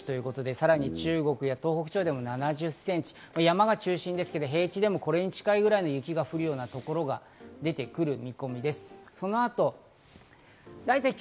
さらに中国や東北地方でも７０センチ、山が中心ですけど、平地でもこれに近いくらいの雪が降るようなところが出てくる見込みです。